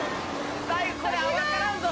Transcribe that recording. ・最後これ分からんぞ！